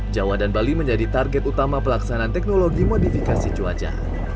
jawa dan bali menjadi target utama pelaksanaan teknologi modifikasi cuaca